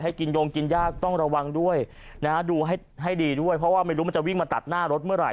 กินโยงกินยากต้องระวังด้วยนะฮะดูให้ดีด้วยเพราะว่าไม่รู้มันจะวิ่งมาตัดหน้ารถเมื่อไห